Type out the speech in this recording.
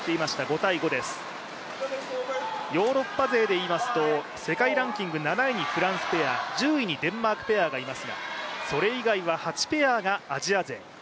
ヨーロッパ勢でいいますと世界ランキング７位にフランスペア１０位にデンマークペアがいますが、それ以外は８ペアがアジア勢。